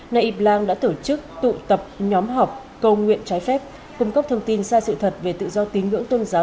nay yip lang đã tổ chức tụ tập nhóm học cầu nguyện trái phép cung cấp thông tin sai sự thật về tự do tín ngưỡng tôn giáo